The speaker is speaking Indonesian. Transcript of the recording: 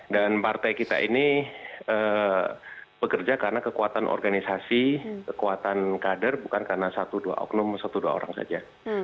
dan partai kita ini pekerja karena kekuatan organisasi kekuatan kader bukan karena satu dua oknum satu dua orang saja